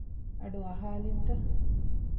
އަޑު އަހާލިންތަ؟